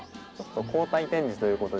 交代展示という事で。